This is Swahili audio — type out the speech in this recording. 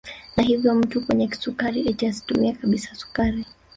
Na hivyo mtu mwenye kisukari eti asitumie kabisa sukari